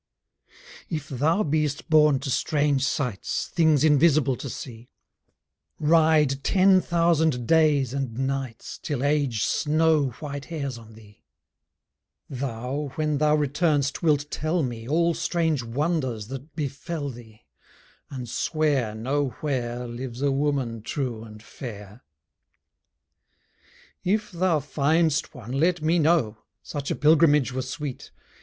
If thou beest born to strange sights, Things invisible to see, Ride ten thousand days and nights, Till age snow white hairs on thee; Thou, when thou return'st, wilt tell me All strange wonders that befell thee, And swear Nowhere Lives a woman true and fair. If thou find'st one, let me know; Such a pilgrimage were sweet.